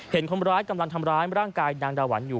เห็นคนร้ายกำลังทำร้ายร่างกายนางดาหวันอยู่